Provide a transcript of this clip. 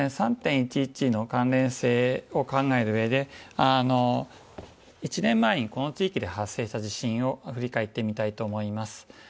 ３・１１の関連性を考えるうえで、１年前にこの地域で発生した地震を振り返ってみたいと思います。